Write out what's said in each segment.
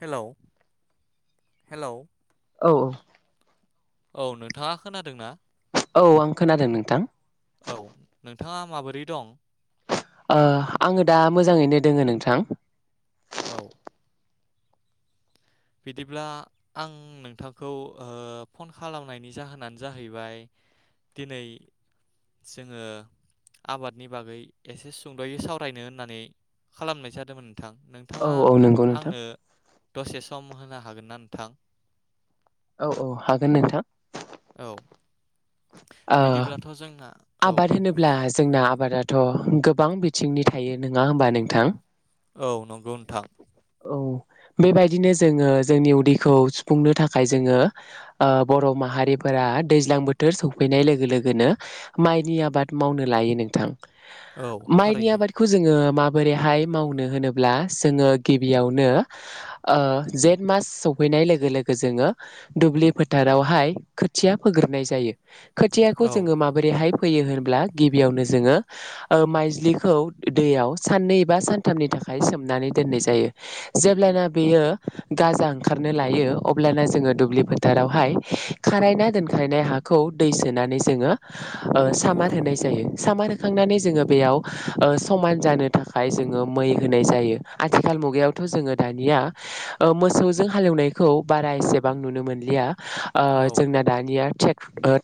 हेल' हेल' औ औ औ नोंथाङा खोनादों ना औ आं खोनादों नोंथां औ नोंथाङा माबोरै दं ओ आङो दा मोजाङैनो दोङो नोंथां औ बिदिब्ला आं नोंथांखौ ओ फन खालामनायनि जाहोनानो जाहैबाय दिनै जोङो आबादनि बागै एसे सुंद'यै सावरायनो होननानै खालामनाय जादोंमोन नोंथा औ नोंथाङा औ नंगौ नोंथां आंनो दसे सम होनो हागोन ना नोंथां? औ औ हागोन नोंथां औ ओ बिदिब्लाथ' जोंना औ आबाद होनोब्ला जोंना आबादाथ' गोबां बिथिंनि थायो नङा होमबा नोंथां? औ नंगौ नोथां औ बेबायदिनो जोङो जोंनि उदैखौ सुफुंनो थाखाय जोङो ओ बर' माहारिफोरा दैज्लां बोथोर सफैनाय लोगो लोगोनो माइनि आबाद मावनो लायो नोंथां। औ माइनि थारैनो आबादखौ जोङो माबोरैहाय मावनो होनोब्ला जोङो गिबियावनो ओ जेठ मास सफैनाय लोगो लोगो जोङो दुब्लि फोथारावहाय खोथिया फोग्रोनाय जायो। खोथियाखौ औ जोङो माबोरैहाय फैयो होनब्ला गिबियावनो जोङो ओ माइज्लिखौ दैयाव साननै बा सानथामनि थाखाय सोम नानै दोननाय जायो जेब्लाना बेयो गाजा ओंखारनो लायो अब्लाना जोङो दुब्लि फोथारावहाय खारायना दोनखायनाय हाखौ दै सोनानै जोङो ओ सामार होनाय जायो सामार थिखांनानै जोङो बेयाव ओ समान जानो थाखाय जोङो मै होनाय जायो। आथिखाल मुगायावथ' जोङो दानिया ओ मोसौजों हालेवनायखौ बारा एसेबां नुनो मोनलिया। ओ औ जोंना दानिया थे ओ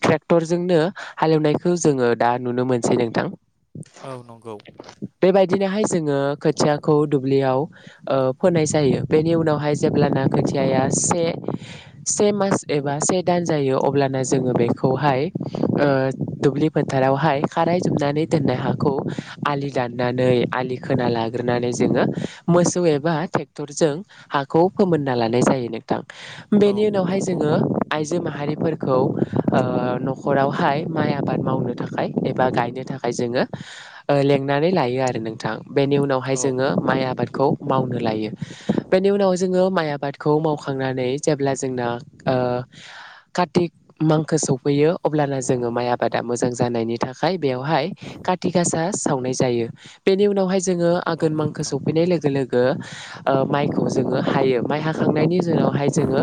ट्रेक्टरजोंनो हालेवनायखौ जोङो दा नुनो मोनसै नोंथां। औ नंगौ दिनैहाय जोङो खोथियाखौ ओ फोनाय जायो बेनि उनावहाय जेब्लाना खोथियाया से मास एबा से दान जायो अब्लाना जोङो बेखौहाय ओ दुब्लि फोथारावहाय खाराय जोबनानै दोननाय हाखौ आलि दाननानै आलि खोना लाग्रोनानै जोङो मोसौ एबा ट्रेक्टरजों हाखौ फोमोनना लानाय जायो नों औ बेनि उनावहाय नंगौ जोङो आइजो आइजो माहारिफोरखौ ओ न'खरावहाय माइ आबाद मावनो थाखाय एबा गायनो थाखाय जोङो ओ लेंंनानै लायो आरो नोंथां बेनि उनाव औ जोङो माइ आबादखौ मावनो नो लायो बेनि उनाव जोङो माइ आबादखौ मावखांनानै जेब्ला जोंना ओ कार्तिक मांखो सफैयो अब्लाना जोङो माइ आबादा मोजां जा जानायनि थाखाय बेवहाय काथि गासा सावनाय जायो बेनि उनावहाय जोङो गोन नंगौ मांखो नोंथां। सौफैनाय लो जोलोगो ओ माइखौ जोङो हायो। माइ हा खांनायनि जोनावहाय जोङो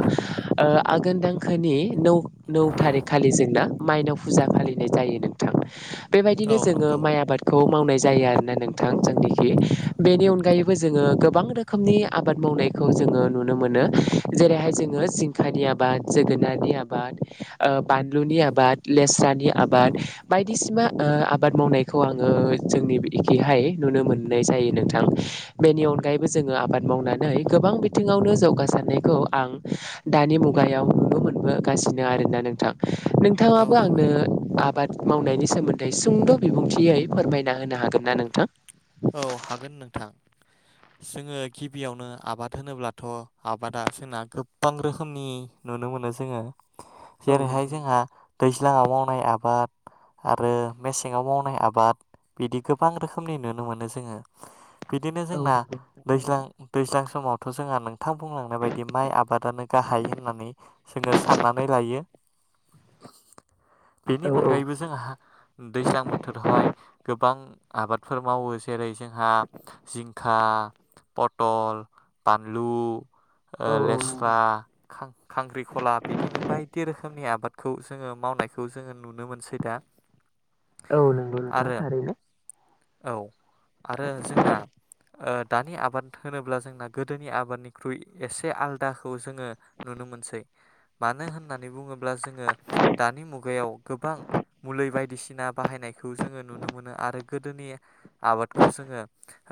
ओ आघोन दांखोनि नौ नौ थारिख खालि जोंना माइनाव फुजा फालिनाय जायो नोंथां। औ बेबायदिनो जोङो नंगौ माइ आबादखौ मावनाय जायो आरोना नोंथां जोंनिखि। बेनि अनगायैबो जोङो गोबां रोखोमनि आबाद मावनायखौ जोङो नुनो मोनो जेरैहाय जोङो जिंखानि आबाद जोगोनारनि आबाद ओ बानलुनि आबाद लेस्रानि आबाद बायदिसिमा ओ आबाद मावनायखौ आङो जोंनि एखेहाय नुनो मोननाय जायो। नोंथां बेनि अनगायैबो जोङो आबाद मावनानै गोबां बिथिङावनो जौगासारनायखौ आं दानि मुगायाव नुनो मोनबोगासिनो आरोना नोंथां। औ नोंथाङाबो नंगौ आंनो आबाद मावनायनि सोमोन्दै सुंद' बिबुंथियै फोरमायना होनो हागोन ना नोंथां? औ हागोन नोंथां जोङो गिबियावनो आबाद होनोब्लाथ' आबादा जोंना गोबां रोखोमनि नुनो मोनो जोङो। औ जेरैहाय नंगौ जोंहा दै जा मावनाय आबाद आरो मेसेङाव मावनाय आबाद बिदि गोबां रोखोमनि नुनो मोन नो जोङो। बिदिनो औ जोंना नंगौ नोंथां दैज्लां थारैनो दैज्लां समाव थ' जोंहा नोंथां बुंलांनाय बायदि माइ आबादानो गाहाय होननानै जोङो साननानै लायो बेनि औ अनगायैबो जोंहा दैज्लां बोथोरावहाय गोबां आबादफोर मावोस जेरै जोंहा जिंखा, पटल, बानलु, ओ औ औ लेस्रा, नंगौ खां खांख्रि खला बिदिनो बायदि रोखोमनि आबाद खौ जोङो मावनायखौ जोङो नुनो मोनसै दा। औ नोंगौ नोंथां आरो थारैनो। औ। आरो जोंना ओ दानि आबाद होनोब्ला जोंना गोदोनि आबादनिख्रुइ एसे आलदाखौ जोङो नुनो मोनसै। मानो होननानै बुङोब्ला जोङो दानि मुगायाव गोबां मुलै बायदिसिना बाहायनायखौ जोङो नुनो मोनो आरो गोदोनि आबादखौ जोङो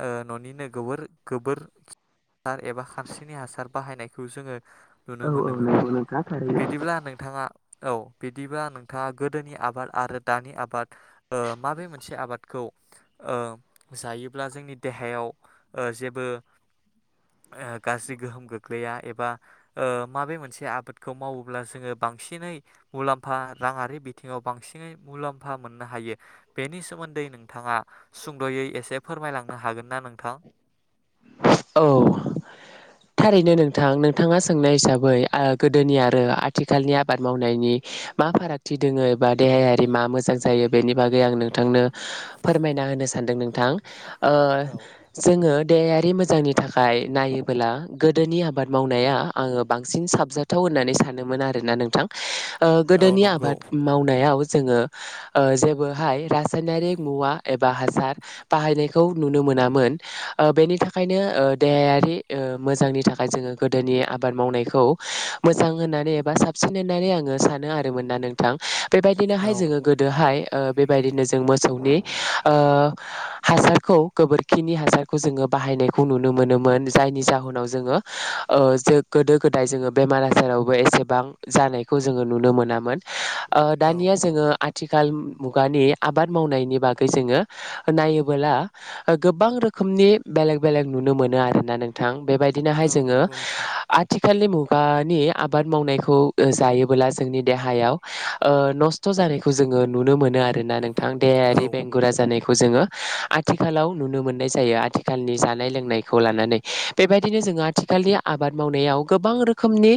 ओ न'निनो गोबोर गोबोरखि हार एबा खानस्रिनि हासार बाहायनायखौ जोङो नुनो औ औ मोनोमोन। नंगौ नोंथां थारैनो बिदिब्ला नोंथाङा औ बिदिबा नोंथाङा गोदोनि आबाद आरो दानि आबाद ओ माबे मोनसे आबादखौ ओ जायोब्ला जोंनि देहायाव ओ जेबो ओ गाज्रि गोहोम गोग्लैया एबा ओ माबे मोनसे आबादखौ मावोब्ला जोङो बांसिनै मुलाम्फा राङारि बिथिङाव बांसिनै मुलाम्फा मोननो हायो बेनि सोमोन्दै नोंथाङा सुंद'यै एसे फोरमायलांनो हागोन ना नोंथां? औ थारैनो नोंथां नोंथाङा सोंनाय हिसाबै आ गोदोनि आरो आथिखालनि आबाद मावनायनि मा फारागथि दोङो एबा देहायारि मा मोजां जायो बेनि बागै आं नोंथांनो फोरमायना होनो सानदों नोंथां। ओ औ जोङो देहायारि मोज जांनि थाखाय नायोबोला गोदोनि आबाद मावनाया आङो बांसिन साबजाथाव होननानै सानोमोन आरोना नोंथां। ओ औ गोदोनि नंगौ आबाद मावनायाव जोङो ओ जेबोहाय राज रासायनायारि मुवा एम बा हासार बाहायनायखौ नुनो मोनामोन बेनि थाखाय थाखायनो देहायारि मोजांनि थाखाय जोङो गोदोनि आबाद मावनायखौ मोजां होननानै एबा साबसिन होननानै आङो सानो आरो मोना नोंथां। बेबायदिनोहाय औ जोङो गोदोहाय ओ बेबायदिनो जों मोसौनि ओ हासारखौ गोबोरखिनि हासारखौ जोङो बाहायनायखौ नुनो मोनोमोन जायनि जाहोनाव जोङो ओ गोदो गोदाय जोङो बेमार आजारावबो एसेबां जानायखौ जोङो नुनो मोनामोन। ओ औ दानिया जोङो आथिखाल मुगानि आबाद मावनायनि बागै जोङो नायोबोला ओ गोबां रोखोमनि बेलेग बेलेग नुनो मोनो आरोना नोंथां। बेबायदिनोहाय औ जोङो नंगौ नोंथां आथिखाल आथिखालनि मुगानि आबाद मावनायखौ जायोबोला जोंनि देहायाव ओ नस्थ' जानायखौ जोङो नुनो मोनो आरोना नोंथां। औ देहायारि बेंगुरा जानायखौ जोङो आथिखालाव नुनो मोननाय जायो। आथिखालनि जानाय लोंनायखौ लानानै बेबायदिनो जोङो आथिखालनि आबाद मावनायाव गोबां रोखोमनि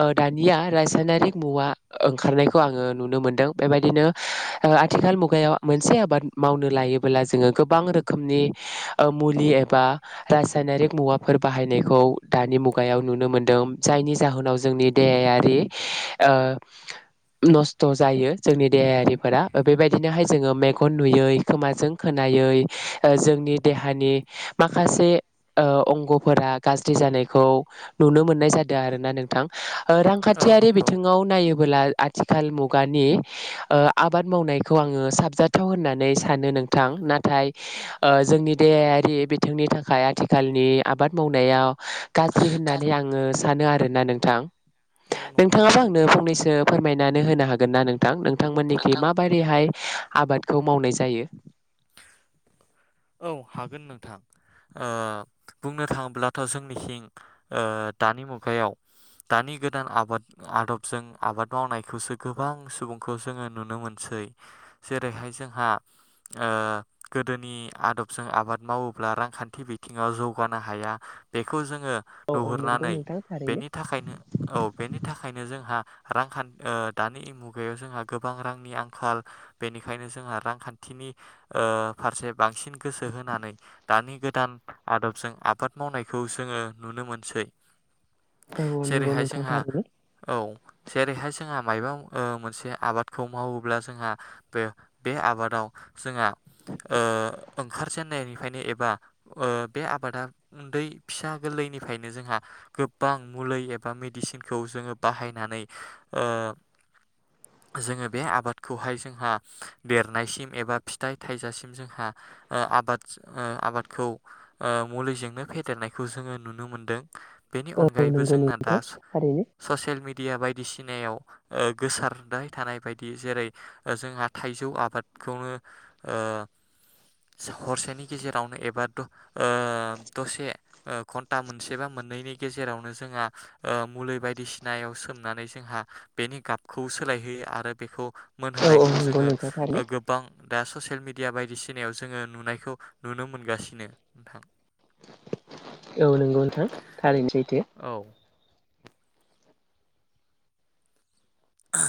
ओ दानिया रासायनारिक मुवा ओंखारनायखौ आङो नुनो मोनदों बेबायदिनो ओ आथिखाल मुगायाव मोनसे आबाद मावनो लायोबोला जोङो गोबां रोखोमनि ओ मुलि एबा रासायनारिक मुवाफोर बाहायनायखौ दानि मुगायाव नुनो मोनदों जायनि जाहोनाव जोंनि देहायारि ओ नस्थ' जायो जोंनि देहायारिफोरा बेबायदिनोहाय जोङो मेगन नुयै खोमाजों खोनायै ओ जोंनि देहा दानि माखासे ओ अंग'फोरा गाज्रि जानायखौ नुनो मोननाय जादों आरोना नोंथां। ओ औ रांखानथियारि नंगौ बिथिङाव नायोबोला आ थिखाल मुगानि ओ आबाद मावनायखौ आङो साबजाथाव होननानै सानो नोंथां नाथाय ओ जोंनि देहायारि बिथिंनि थाखाय आथिखालनि आबाद मावनायाव गाज्रि होननानै आङो सानो आर ना नोंथां औ नंगौ नोंथां नोंथाङाबो आंनो फंनैसो फोरमायनानै होनो हागोन ना नों थां नोंथांमोननिखि नोंथां माबोरैहाय आबादखौ मावनाय जायो औ हागोन नोंथां ओ बुंनो थाङोब्लाथ' जोंनिथिं ओ दानि मुगायाव दानि गोदान आबाद आदबजों आबाद मावनायखौसो गोबां सुबुंखौ जोङो नुनो मोनसै जेरैहाय जोंहा ओ गोदोनि आदबजों आबाद मावोब्ला रांखानथि बिथिङाव जौगानो हाया बेखौ जों ङो औ औ नंगौ नुहुरनानै नोंथां थारैनो बेनि थाखायनो औ बेनि थाखायनो जोंहा रांखान ओ दानि मुगायाव जोंहा गोबां रांनि आंखाल बेनिखायनो जोंहा रांखानथिनि ओ फारसे बांसिन गोसो होनानै दानि गोदान आदबजों आबाद मावनायखौ जोङो नुनो मोनसै। औ औ नंगौ जेरैहाय नोंथां जोंहा थारैनो औ जेरैहाय जोंहा मायबा ओ मोनसे आबादखौ मावोब्ला जोंहा बे बे आबादाव जोंहा ओ ओंखारजेननायनिफ्रायनो एबा ओ बे आबादा उनदै फिसा गोरलैनिफ्रायनो जोंहा गोबां मुलि एबा मेडिसिनखौ जोङो बाहायनानै ओ जोङो बे आबादखौहाय जोंहा देरनायसिम एबा फिथाइ थायजासिम जोंहा ओ आबाद ओ आबादखौ ओ मुलिजोंनो फेदेरनायखौ जोङो नुनो मोनदों। बेनि औ अनगायैबो नंगौ जोंना दा नोंथां थारैनो ससियेल मिडिया बायदिसि नायाव ओ गोसारबाय थानाय बायदि जेरै जोंहा थाइजौ आबादखौनो ओ हरसेनि गेजेरावनो एबा ओ दसे ओ घन्टा मोनसे बा मोननैनि गेजेरावनो जोंहा ओ मुलि बायदिसिनायाव सोमनानै जोंहा बेनि गाबखौ सोलायहोयो आरो बेखौ औ औ मोनहोनायखौ नंगौ जोङो नोंथां ओ थारैनो गोबां दा ससियेल मिडिया बायदिसि नायाव जोङो नुनायखौ नुनो मोनगासिनो नोंथां। औ नंगौ नोंथां थारैनो सैथो। औ आ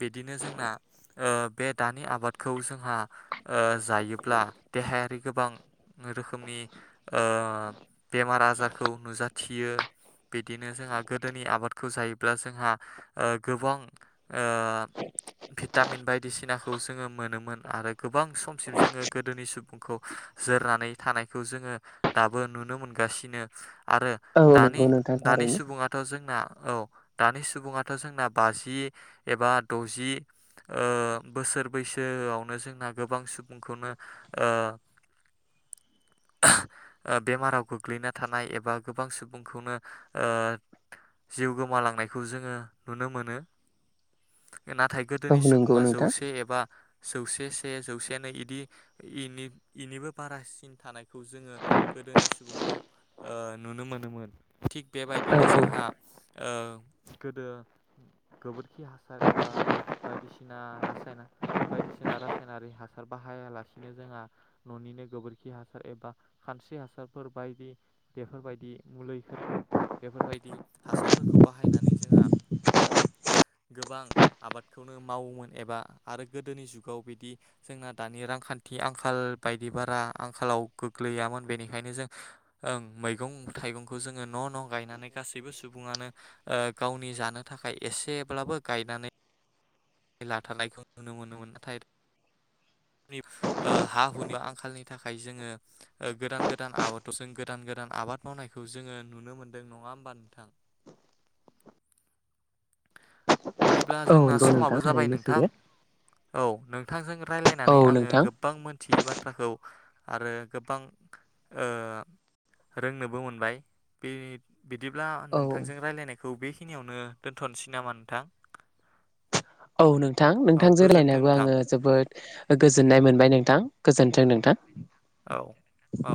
बिदिनो जोंना ओ बे दानि आबादखौ ओ जोंहा जायोब्ला देहायारि गोबां रोखोमनि ओ बेमार आजारखौ नुजाथियो बिदिनो जोंहा गोदोनि आबादखौ जायोब्ला जोंहा ओ गोबां ओ भिटामिन बायदिसिनाखौ जोङो मोनोमोन आरो गोबां समसिम जोङो गोदोनि सुबुंखौ जोरनानै थानायखौ जोङो दाबो नुनो मोनगासिनो। आरो औ दानि नंगौ नोंथां दानि थारैनो सुबुङाथ' जोंना औ दानि सुबुङाथ' जोंना बाजि एबा द'जि ओ बोसोर बैसोआवनो जोंना गोबां सुबुंखौनो ओ ओ बेमाराव गोग्लैना थानाय एबा गोबां सुबुंखौनो ओ जिउ गोमालांनायखौ जोङो नुनो मोनो। नाथाय औ गोदोनि नंगौ सुबुङा नोंथां जौसे एबा जौसे से जौसेनै इदि इनिबो बारासिन थानायखौ जोङो गोदोनि सुबुंखौ ओ नुनो मोनोमोन थिग औ बेबायदिनो जोंहा औ ओ गोदो गोबोरखि हासार एबा बायदिसिना रासायना बायदिसिना रासायनारि हासार बाहायालासिनो जोंहा न'निनो गोबोरखि हासार एबा खानस्रि हासारफोर बायदि बेफोरबायदि मुलिफोरखौ बेफोरबायदि हासारफोरखौ बाहायनानै जोंहा गोबां आबादखौनो मावोमोन एबा आरो गोदोनि जुगाव बिदि जोंना दानि रांखानथि आंखाल बायदि बारा आंखालाव गोग्लैयामोन बेनिखायनो जों ओ मैगं थाइगंखौ जोङो न' न' गायनानै गासैबो सुबुङानो ओ गावनि जानो थाखाय एसेब्लाबो गायनानै लाथारानायखौ नुनो मोनोमोन नाथाय ओ हा हुनि आंखालनि थाखाय जोङो ओ गोदान गोदान आबादावजों गोदान गोदान आबाद मावनायखौ जोङो नुनो मोनदों नङा होमबा नोंथां? बिदिब्ला औ जोंना नंगौ नोंथां समाबो जाबाय थारैनो नोंथां सैथो औ नों थांजों औ रायज्लायनानै आङो नोंथां गोबां मोनथियै बाथ्राखौ आरो गोबां ओ रोंनोबो मोनबाय बे बिदिब्ला औ नोंथांजों रायज्लायनायखौ बे बेखिनियावनो दोन्थ'नोसै नामा नोंथां? औ नोंथां औ नोंथांजों गोजोन्थों रायलायनानैबो नोंथां आङो जोबोद ओ गोजोननाय मोनबाय नोंथां। गोजोन्थों नोंथां औ औ